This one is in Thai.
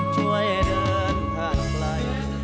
ช่วยเดินทางไกล